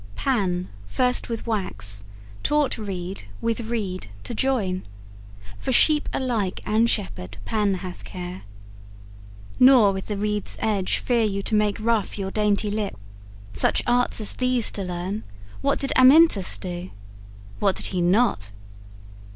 Pan first with wax taught reed with reed to join; For sheep alike and shepherd Pan hath care. Nor with the reed's edge fear you to make rough Your dainty lip; such arts as these to learn What did Amyntas do? what did he not?